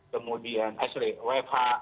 kemudian eh sorry wfh